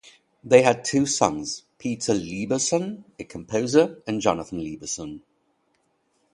They had two sons: Peter Lieberson, a composer, and Jonathan Lieberson.